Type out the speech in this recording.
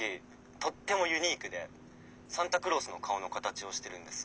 とってもユニークでサンタクロースの顔の形をしてるんです。